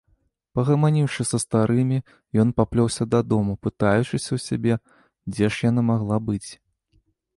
Пагаманіўшы са старымі, ён паплёўся дадому, пытаючыся ў сябе, дзе ж яна магла быць?